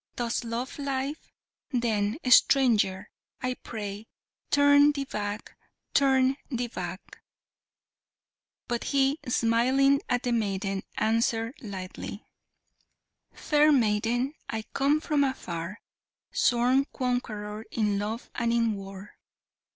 Dost love life? then, stranger, I pray, Turn thee back! turn thee back!" But he, smiling at the maiden, answered lightly: "Fair maiden, I come from afar, Sworn conqueror in love and in war!